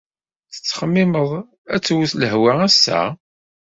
Tettxemmimeḍ ad d-twet lehwa ass-a?